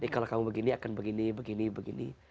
kalau kamu begini akan begini begini